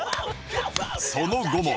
その後も